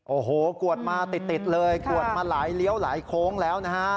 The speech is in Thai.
โอ้โหกวดมาติดเลยกวดมาหลายเลี้ยวหลายโค้งแล้วนะฮะ